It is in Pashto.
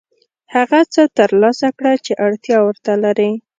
هغه څه ترلاسه کړه چې اړتیا ورته لرې.